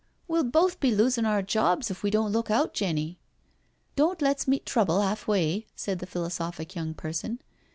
We'll both be losin* our jobs if we don't look out, Jenny." " Don't let's meet trouble half way," said that philo sophic young person.